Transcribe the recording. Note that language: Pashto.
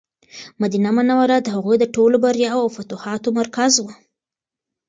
مدینه منوره د هغوی د ټولو بریاوو او فتوحاتو مرکز و.